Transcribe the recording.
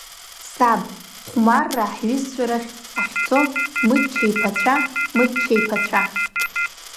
Саб, хәмарра ҳҩызцәа рахь ҳахьцо Мычча иԥацәа, Мычча иԥацәа!